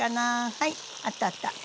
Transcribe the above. はいあったあった。